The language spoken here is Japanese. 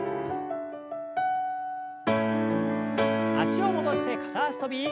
脚を戻して片脚跳び。